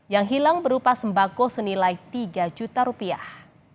yang hilang berupa sembako senilai tiga juta rupiah